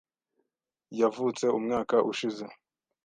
Yavutse umwaka ushize.